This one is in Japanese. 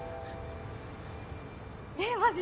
えっマジ！？